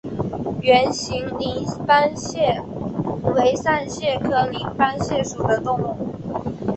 圆形鳞斑蟹为扇蟹科鳞斑蟹属的动物。